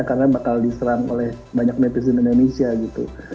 karena bakal diserang oleh banyak netizen indonesia gitu